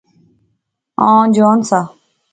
آن جان سا